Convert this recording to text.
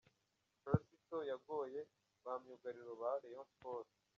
Percy Tau yagoye ba myugariro ba Rayon Sports.